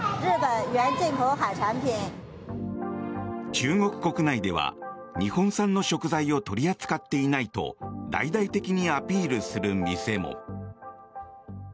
中国国内では、日本産の食材を取り扱っていないと大々的にアピールする店も。